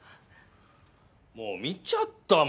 もう見ちゃったもん！